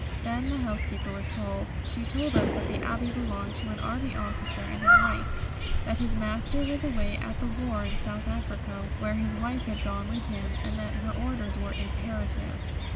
Then the housekeeper was called. She told us that the Abbey belonged to an Army officer and his wife, that her master was away at the war in South Africa where his wife had gone with him, and that her orders were imperative.